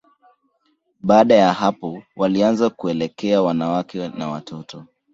Baada ya hapo, walianza kuelekea wanawake na watoto.